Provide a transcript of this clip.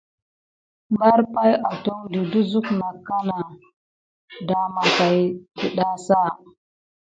Mbar pay atondi de suk nà ka dema tät didaza.